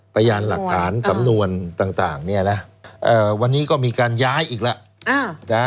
ประยานหลักฐานสำนวนต่างต่างเนี่ยนะเอ่อวันนี้ก็มีการย้ายอีกแล้วอ้าว